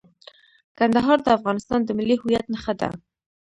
کندهار د افغانستان د ملي هویت نښه ده.